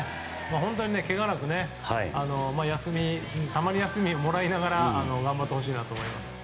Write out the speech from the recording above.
本当にけがなくたまに休みをもらいながら頑張ってほしいと思います。